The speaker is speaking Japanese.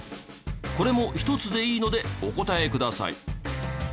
これも１つでいいのでお答えください。